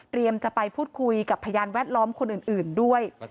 จะไปพูดคุยกับพยานแวดล้อมคนอื่นด้วย